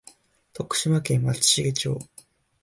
徳島県松茂町